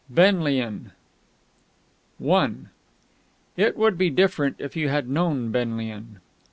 BENLIAN I It would be different if you had known Benlian.